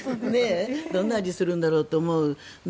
どんな味がするんだろうと思う。